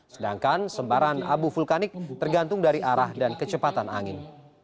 sedangkan sembaran abu vulkanik tergantung dari arah dan kecepatan angin